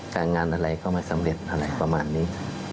การงานอะไรก็ไม่สำเร็จอะไรประมาณนี้